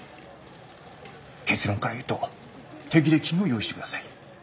結論から言うと手切れ金を用意してください。